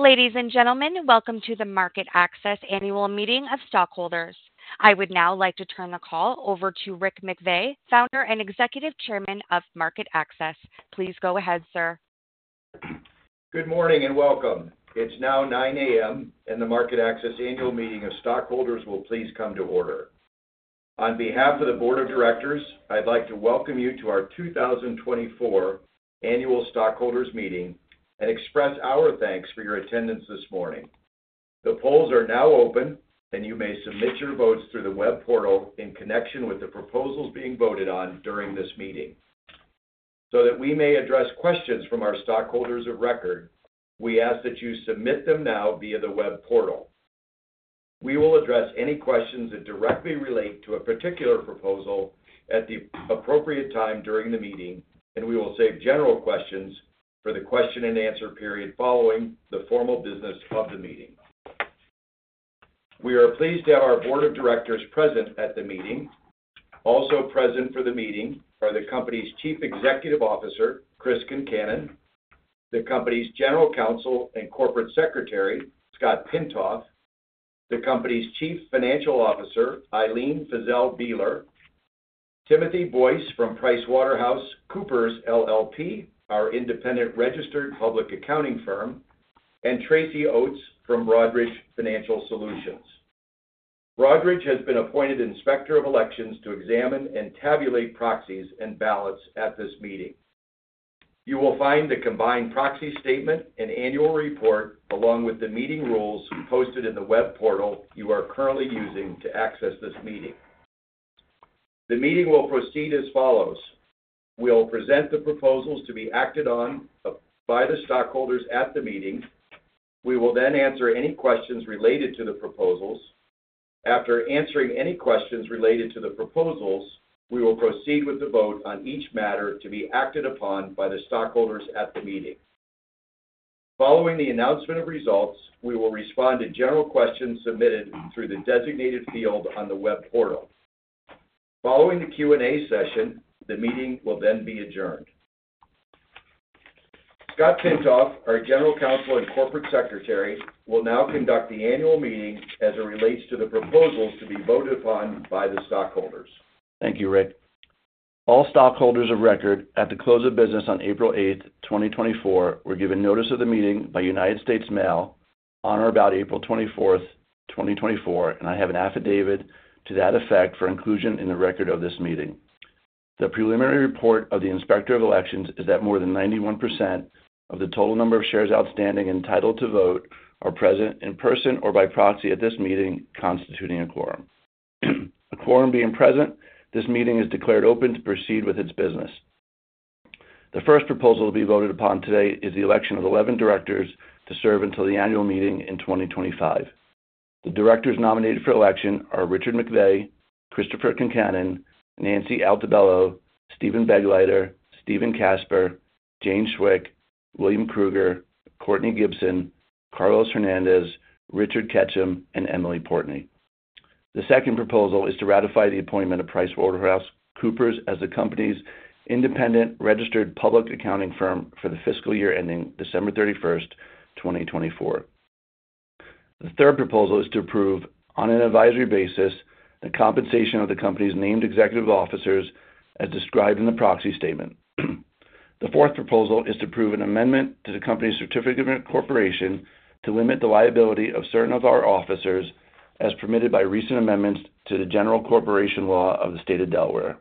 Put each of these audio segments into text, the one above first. Ladies and gentlemen, welcome to the MarketAxess Annual Meeting of Stockholders. I would now like to turn the call over to Rick McVey, Founder and Executive Chairman of MarketAxess. Please go ahead, sir. Good morning, and welcome. It's now 9:00 A.M., and the MarketAxess Annual Meeting of Stockholders will please come to order. On behalf of the Board of Directors, I'd like to welcome you to our 2024 Annual Stockholders Meeting and express our thanks for your attendance this morning. The polls are now open, and you may submit your votes through the web portal in connection with the proposals being voted on during this meeting. So that we may address questions from our stockholders of record, we ask that you submit them now via the web portal. We will address any questions that directly relate to a particular proposal at the appropriate time during the meeting, and we will save general questions for the question-and-answer period following the formal business of the meeting. We are pleased to have our Board of Directors present at the meeting. Also present for the meeting are the company's Chief Executive Officer, Chris Concannon, the company's General Counsel and Corporate Secretary, Scott Pintoff, the company's Chief Financial Officer, Ilene Fiszel Bieler, Timothy Boyce from PricewaterhouseCoopers LLP, our independent registered public accounting firm, and Tracy Oates from Broadridge Financial Solutions. Broadridge has been appointed Inspector of Elections to examine and tabulate proxies and ballots at this meeting. You will find the combined proxy statement and annual report, along with the meeting rules, posted in the web portal you are currently using to access this meeting. The meeting will proceed as follows: We'll present the proposals to be acted on, by the stockholders at the meeting. We will then answer any questions related to the proposals. After answering any questions related to the proposals, we will proceed with the vote on each matter to be acted upon by the stockholders at the meeting. Following the announcement of results, we will respond to general questions submitted through the designated field on the web portal. Following the Q and A session, the meeting will then be adjourned. Scott Pintoff, our General Counsel and Corporate Secretary, will now conduct the annual meeting as it relates to the proposals to be voted upon by the stockholders. Thank you, Rick. All stockholders of record at the close of business on April 8, 2024, were given notice of the meeting by United States Mail on or about April 24, 2024, and I have an affidavit to that effect for inclusion in the record of this meeting. The preliminary report of the Inspector of Elections is that more than 91% of the total number of shares outstanding entitled to vote are present in person or by proxy at this meeting, constituting a quorum. A quorum being present, this meeting is declared open to proceed with its business. The first proposal to be voted upon today is the election of 11 directors to serve until the annual meeting in 2025. The directors nominated for election are Richard McVey, Christopher Concannon, Nancy Altobello, Steven Begleiter, Stephen Casper, Jane Chwick, William Cruger, Kourtney Gibson, Carlos Hernandez, Richard Ketchum, and Emily Portney. The second proposal is to ratify the appointment of PricewaterhouseCoopers as the company's independent registered public accounting firm for the fiscal year ending December 31, 2024. The third proposal is to approve, on an advisory basis, the compensation of the company's named executive officers as described in the proxy statement. The fourth proposal is to approve an amendment to the company's Certificate of Incorporation to limit the liability of certain of our officers, as permitted by recent amendments to the General Corporation Law of the State of Delaware.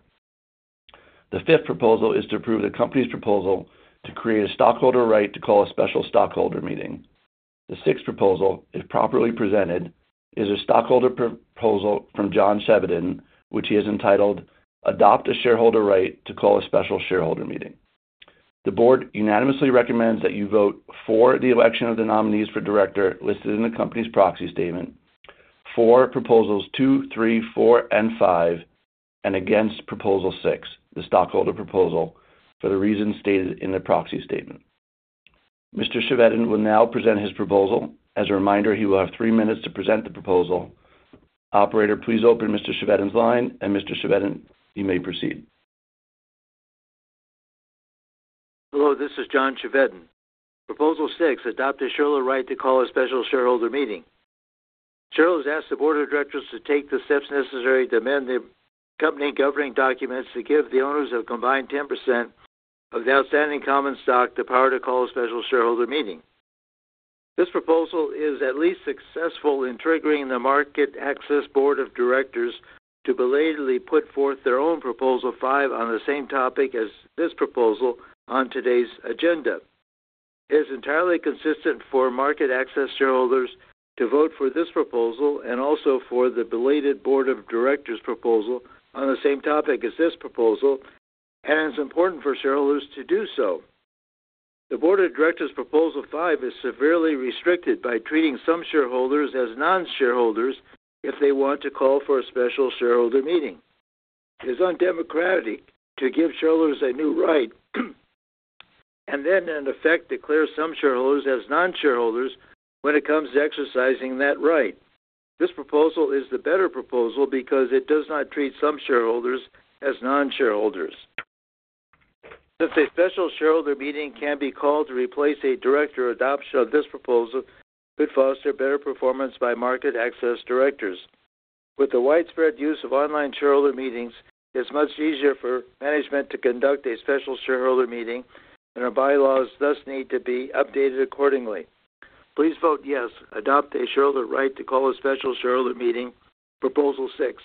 The fifth proposal is to approve the company's proposal to create a stockholder right to call a special stockholder meeting. The sixth proposal, if properly presented, is a stockholder proposal from John Chevedden, which he has entitled Adopt a Shareholder Right to Call a Special Shareholder Meeting. The Board unanimously recommends that you vote for the election of the nominees for director listed in the company's Proxy Statement, for Proposals 2, 3, 4, and 5, and against Proposal 6, the stockholder proposal, for the reasons stated in the Proxy Statement. Mr. Chevedden will now present his proposal. As a reminder, he will have three minutes to present the proposal. Operator, please open Mr. Chevedden's line. Mr. Chevedden, you may proceed. Hello, this is John Chevedden. Proposal 6, adopt a shareholder right to call a special shareholder meeting. Shareholders ask the board of directors to take the steps necessary to amend the company governing documents to give the owners a combined 10% of the outstanding common stock the power to call a special shareholder meeting. This proposal is at least successful in triggering the MarketAxess board of directors to belatedly put forth their own Proposal 5 on the same topic as this proposal on today's agenda. It is entirely consistent for MarketAxess shareholders to vote for this proposal and also for the belated board of directors proposal on the same topic as this proposal, and it's important for shareholders to do so. The board of directors' Proposal 5 is severely restricted by treating some shareholders as non-shareholders if they want to call for a special shareholder meeting. It's undemocratic to give shareholders a new right and then, in effect, declare some shareholders as non-shareholders when it comes to exercising that right. This proposal is the better proposal because it does not treat some shareholders as non-shareholders... Since a special shareholder meeting can be called to replace a director, adoption of this proposal could foster better performance by MarketAxess directors. With the widespread use of online shareholder meetings, it's much easier for management to conduct a special shareholder meeting, and our bylaws thus need to be updated accordingly. Please vote yes. Adopt a shareholder right to call a special shareholder meeting, Proposal 6.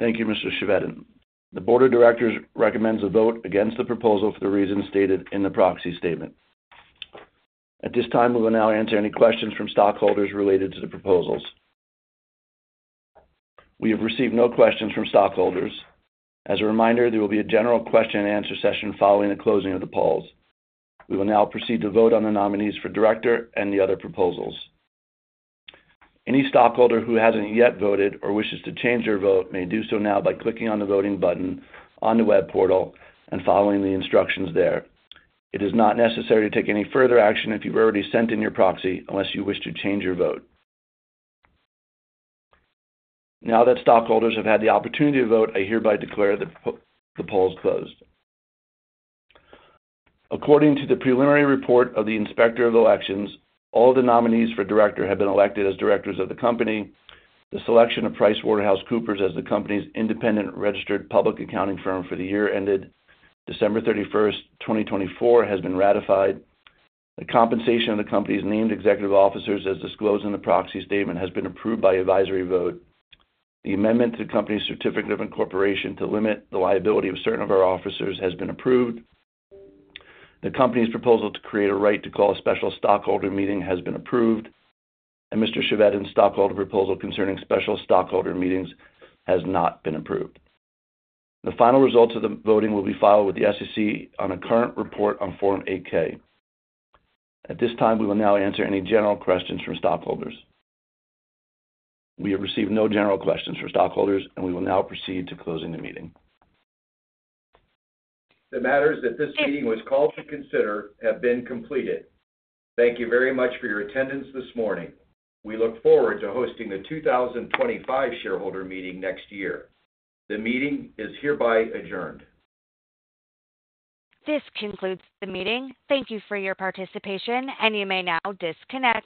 Thank you, Mr. Chevedden. The Board of Directors recommends a vote against the proposal for the reasons stated in the proxy statement. At this time, we will now answer any questions from stockholders related to the proposals. We have received no questions from stockholders. As a reminder, there will be a general question and answer session following the closing of the polls. We will now proceed to vote on the nominees for director and the other proposals. Any stockholder who hasn't yet voted or wishes to change their vote may do so now by clicking on the voting button on the web portal and following the instructions there. It is not necessary to take any further action if you've already sent in your proxy, unless you wish to change your vote. Now that stockholders have had the opportunity to vote, I hereby declare the polls closed. According to the preliminary report of the Inspector of Elections, all the nominees for director have been elected as directors of the company. The selection of PricewaterhouseCoopers as the company's independent registered public accounting firm for the year ended December 31, 2024, has been ratified. The compensation of the company's named executive officers, as disclosed in the proxy statement, has been approved by advisory vote. The amendment to the company's Certificate of Incorporation to limit the liability of certain of our officers has been approved. The company's proposal to create a right to call a special stockholder meeting has been approved, and Mr. Chevedden's stockholder proposal concerning special stockholder meetings has not been approved. The final results of the voting will be filed with the SEC on a current report on Form 8-K. At this time, we will now answer any general questions from stockholders. We have received no general questions from stockholders, and we will now proceed to closing the meeting. The matters that this meeting was called to consider have been completed. Thank you very much for your attendance this morning. We look forward to hosting the 2025 shareholder meeting next year. The meeting is hereby adjourned. This concludes the meeting. Thank you for your participation, and you may now disconnect.